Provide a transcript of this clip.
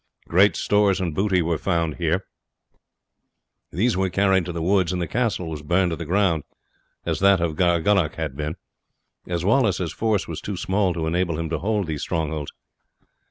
Great stores and booty were found here; these were carried to the woods, and the castle was burned to the ground, as that of Gargunnock had been, as Wallace's force was too small to enable him to hold these strongholds.